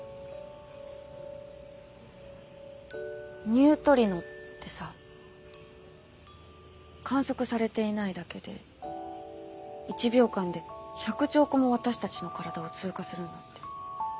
ニュートリノってさ観測されていないだけで１秒間で１００兆個も私たちの体を通過するんだって。